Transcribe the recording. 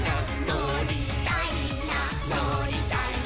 「のりたいなのりたいな」